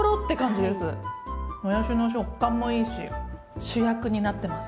もやしの食感もいいし主役になってます